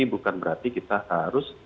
bukan berarti kita harus